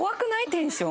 テンション。